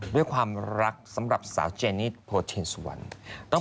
ด้วยความรักสำหรับสาวเจนี่โพเทนสุวรรณ